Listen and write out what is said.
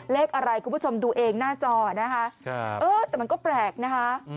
เลขอะไรคุณผู้ชมดูเองหน้าจอนะคะเออแต่มันก็แปลกนะคะ